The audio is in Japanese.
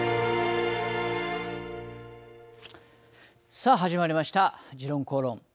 さあ始まりました「時論公論」